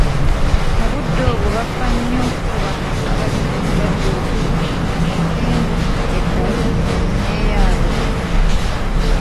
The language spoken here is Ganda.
Mu budde obwo baafa nnyo ku bantu abalina endwadde okuli; ensimbu, eddalu, n'eyaabwe